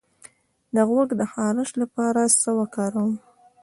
د غوږ د خارش لپاره باید څه وکاروم؟